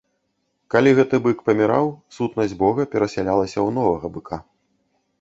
Калі гэты бык паміраў, сутнасць бога перасялялася ў новага быка.